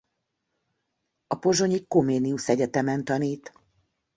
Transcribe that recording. A pozsonyi Comenius Egyetemen tanít.